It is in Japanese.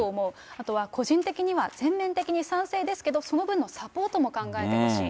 あとは個人的には全面的に賛成ですけど、その分のサポートも考えてほしい。